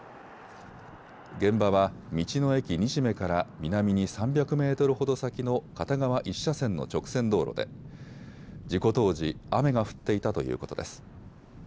現場は道の駅にしめから南に３００メートルほど先の片側１車線の直線道路で事故当時、雨が降っていたということです。